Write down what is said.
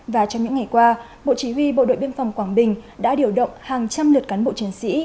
và trong những ngày qua bộ chỉ huy bộ đội biên phòng quảng bình đã điều động hàng trăm lượt cán bộ chiến sĩ